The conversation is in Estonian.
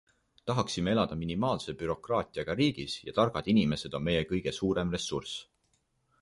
Tahaksime elada minimaalse bürokraatiaga riigis ja targad inimesed on meie kõige suurem ressurss.